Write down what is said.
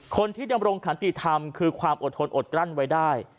คนที่ดำรงขันติธรรมคือความอดทนอดกลั้นไว้ได้